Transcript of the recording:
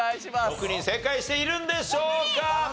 ６人正解しているんでしょうか？